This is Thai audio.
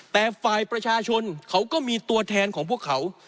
แต่ฝ่ายประชาชนเขาก็มีตัวแทนของพวกเขา